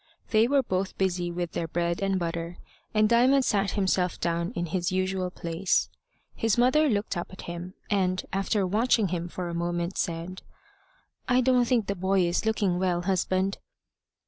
They were both busy with their bread and butter, and Diamond sat himself down in his usual place. His mother looked up at him, and, after watching him for a moment, said: "I don't think the boy is looking well, husband."